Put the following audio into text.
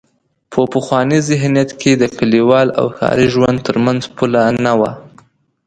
په پخواني ذهنیت کې د کلیوال او ښاري ژوند تر منځ پوله نه وه.